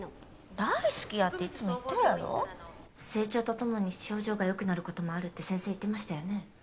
大好きやっていつも言っとるやろ成長とともに症状がよくなることもあるって先生言ってましたよね？